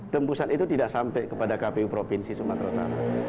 tembusan itu tidak sampai kepada kpu provinsi sumatera utara